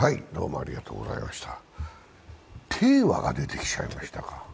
鄭和が出てきちゃいましたか